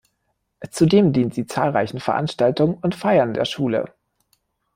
Zudem dient sie zahlreichen Veranstaltungen und Feiern der Schule.